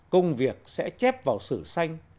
công việc sẽ chép vào sử sanh